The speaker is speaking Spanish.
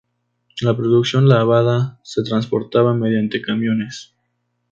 La producción lavada se transportaba mediante camiones.